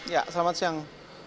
ya selamat siang